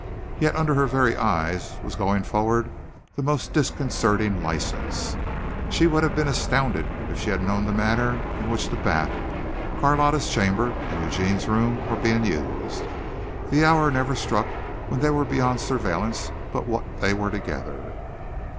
Yet under her very eyes was going forward the most disconcerting license. She would have been astounded if she had known the manner in which the bath, Carlotta's chamber and Eugene's room were being used. The hour never struck when they were beyond surveillance but what they were together.